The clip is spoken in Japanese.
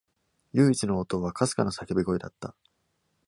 唯一の応答は、かすかな叫び声だった。